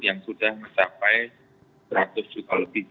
yang sudah mencapai seratus juta lebih